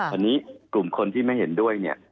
อันนี้กลุ่มคนที่ไม่เห็นด้วยเนี่ย